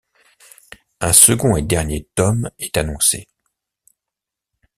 Un second et dernier tome est annoncé.